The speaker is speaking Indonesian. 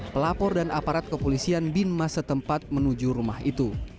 pelapor dan aparat kepolisian binmas setempat menuju rumah itu